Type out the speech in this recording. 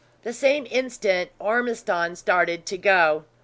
The same instant, Ormiston started to go.